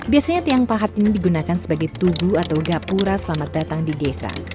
biasanya tiang pahat ini digunakan sebagai tugu atau gapura selamat datang di desa